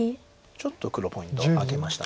ちょっと黒ポイントを挙げました